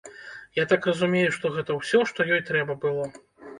Я так разумею, што гэта ўсё, што ёй трэба было.